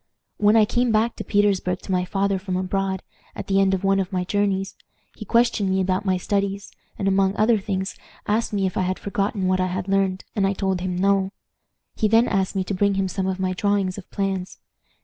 "When I came back to Petersburg to my father from abroad, at the end of one of my journeys, he questioned me about my studies, and, among other things, asked me if I had forgotten what I had learned, and I told him no. He then asked me to bring him some of my drawings of plans.